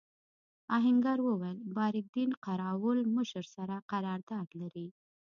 آهنګر وویل بارک دین قراوول مشر سره قرارداد لري.